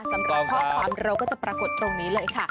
สำหรับข้อความเราก็จะปรากฏตรงนี้เลยค่ะ